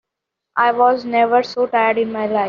I was never so tired in my life.